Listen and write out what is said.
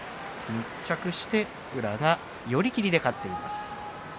密着して宇良が寄り切りで勝っています。